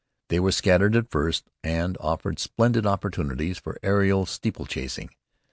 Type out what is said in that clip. They were scattered at first and offered splendid opportunities for aerial steeplechasing.